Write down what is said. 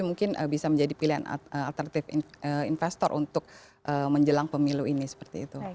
mungkin bisa menjadi pilihan alternatif investor untuk menjelang pemilu ini seperti itu